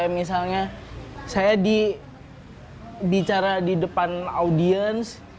misalnya saya bicara di depan audiens